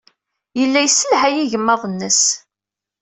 Yella yesselhay igmaḍ-nnes.